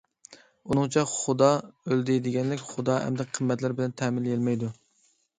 ئۇنىڭچە، خۇدا ئۆلدى دېگەنلىك خۇدا ئەمدى قىممەتلەر بىلەن تەمىنلىيەلمەيدۇ.